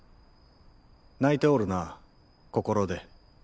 泣いておるな心で。